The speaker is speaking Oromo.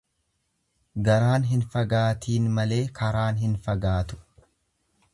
Garaan hin fagaatiin malee karaan hin fagaatu.